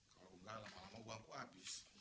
kalau nggak lama lama uangku habis